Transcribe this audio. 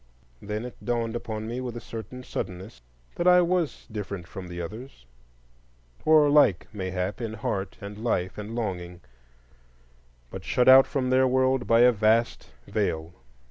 Then it dawned upon me with a certain suddenness that I was different from the others; or like, mayhap, in heart and life and longing, but shut out from their world by a vast veil.